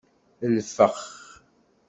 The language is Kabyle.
Lfex.